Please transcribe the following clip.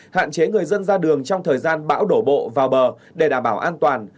hạn chế người dân ra đường trong thời gian bão đổ bộ vào bờ để đảm bảo an toàn